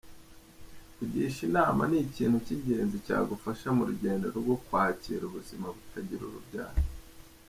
Kugisha inama ni ikintu cy’ingenzi cyagufasha mu rugendo rwo kwakira ubuzima butagira urubyaro.